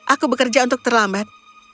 aku bekerja untuk terlambat